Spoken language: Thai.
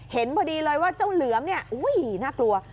เห็นพอดีเลยว่าเจ้าเหลือมเนี่ยอุ้ยน่ากลัว